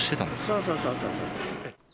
そうそうそうそう。